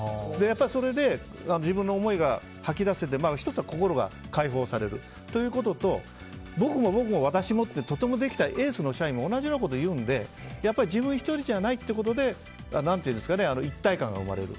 それで自分の思いが吐き出せて１つは心が解放されるということと僕も、僕も、私もってとてもできたエースの社員も同じようなことを言うので自分１人じゃないということで一体感が生まれる。